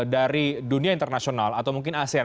dari dunia internasional atau mungkin asean